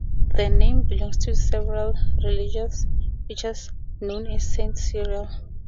The name belongs to several religious figures known as Saint Cyril.